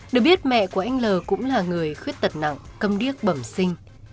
được biết mẹ của anh l cũng là người khuyết tật nặng cầm điếc bẩm sinh